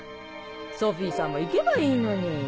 ソフィーさんも行けばいいのに。